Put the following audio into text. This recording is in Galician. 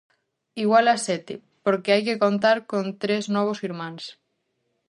Igual a sete, porque hai que contar con tres novos irmáns.